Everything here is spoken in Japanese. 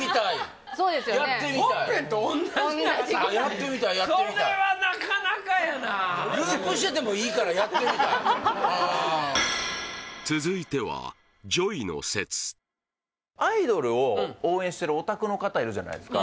やってみたいやってみたいそれはなかなかやなループしててもいいからやってみたい続いてはアイドルを応援してるオタクの方いるじゃないですか